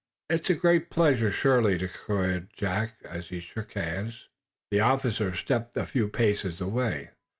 "It is a great pleasure, surely," declared Jack, as he shook hands. The officer stepped a few paces away.